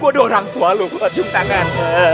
gua ada orang tua lu hujung tangan